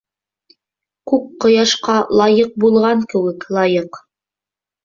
Күк ҡояшҡа лайыҡ булған кеүек, лайыҡ.